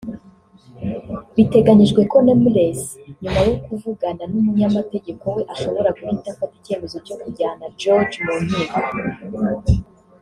Biteganyijwe ko Nameless nyuma yo kuvugana n’umunyamategeko we ashobora guhita afata icyemezo cyo kujyana George mu nkiko